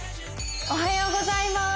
おはようございます